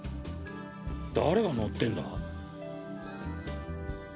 誰が乗ってんだ？